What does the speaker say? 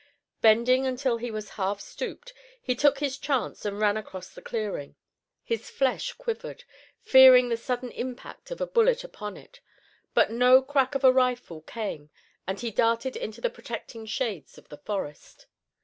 Bending until he was half stooped, he took his chance and ran across the clearing. His flesh quivered, fearing the sudden impact of a bullet upon it, but no crack of a rifle came and he darted into the protecting shades of the forest.